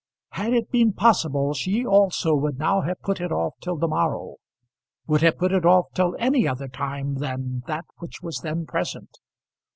Had it been possible she also would now have put it off till the morrow, would have put it off till any other time than that which was then present.